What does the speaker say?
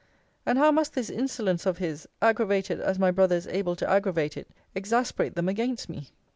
And how must this insolence of his, aggravated as my brother is able to aggravate it, exasperate them against me?